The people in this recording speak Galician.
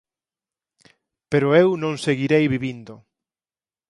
Pero eu non seguirei vivindo".